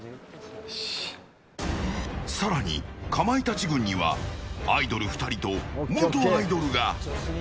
更に、かまいたち軍にはアイドル２人と元アイドルが。